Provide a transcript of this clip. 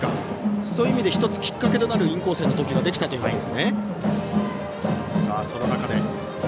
そういう意味で１つきっかけとなるインコースへの投球ができたということですね。